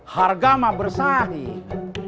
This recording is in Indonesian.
harga mah bersahid